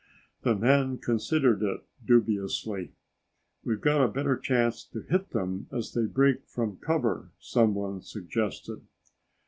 The men considered it dubiously. "We've got a better chance to hit them as they break from cover," someone suggested.